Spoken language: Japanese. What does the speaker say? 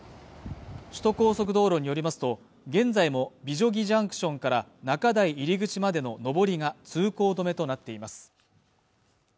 首都高速道路によりますと現在も美女木ＪＣＴから中台入口までの上りが通行止めとなっています